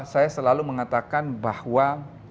saya selalu mengatakan bahwa